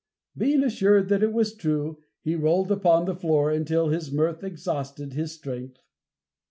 Being assured that it was true, he rolled upon the floor until his mirth exhausted his strength.